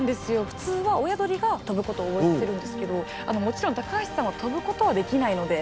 普通は親鳥が飛ぶことを覚えさせるんですけどもちろん高橋さんは飛ぶことはできないので。